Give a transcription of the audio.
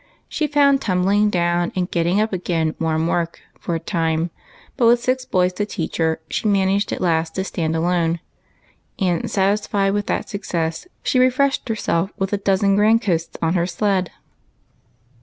She found tumbling down and getting up again warm work for a time, but, with six boys to teach her, she managed at last to stand alone ; and, satisfied with that success, she refreshed herself with a dozen grand coasls on the Amazon, as her sled was called.